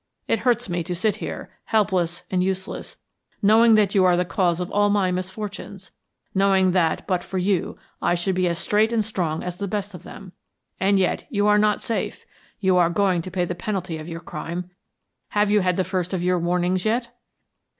It hurts me to sit here, helpless and useless, knowing that you are the cause of all my misfortunes; knowing that, but for you, I should be as straight and strong as the best of them. And yet you are not safe you are going to pay the penalty of your crime. Have you had the first of your warnings yet?"